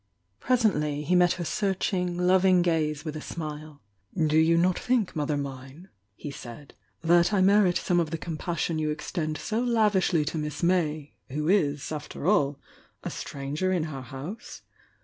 Presently he met her searching, loving gaze with a smile. "Do you not think, Mother mine," he said, "that I merit some of the compassion you extend so lav ishly to Miss May, who is, after all, a stranger in our house?